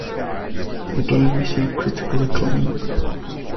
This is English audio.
The game received critical acclaim.